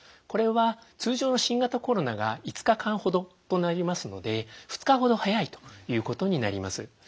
これは通常の新型コロナが５日間ほどとなりますので２日ほど早いということになります。